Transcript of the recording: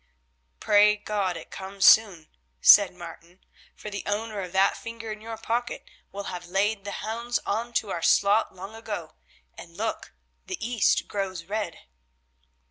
"Pray God it comes soon," said Martin, "for the owner of that finger in your pocket will have laid the hounds on to our slot long ago, and, look! the east grows red."